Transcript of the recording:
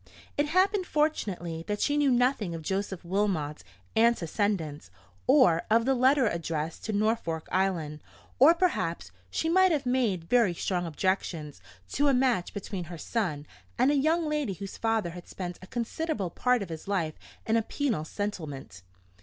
It happened fortunately that she knew nothing of Joseph Wilmot's antecedents, or of the letter addressed to Norfolk Island; or perhaps she might have made very strong objections to a match between her son and a young lady whose father had spent a considerable part of his life in a penal settlement.